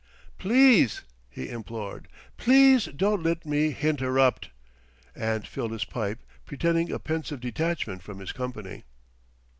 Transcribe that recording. "Please," he implored, "Please don't let me hinterrupt;" and filled his pipe, pretending a pensive detachment from his company.